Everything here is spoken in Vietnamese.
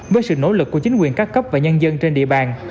với sự nỗ lực của chính quyền các cấp và nhân dân trên địa bàn